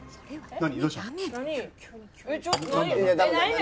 何？